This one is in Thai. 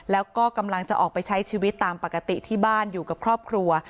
แล้วก็กำลังจะออกไปใช้ชีวิตตามปกติที่บ้านอยู่กับครอบครัว